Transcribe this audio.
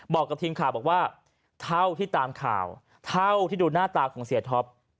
บอกกับทีมข่าวบอกว่าเท่าที่ตามข่าวเท่าที่ดูหน้าตาของเสียท็อป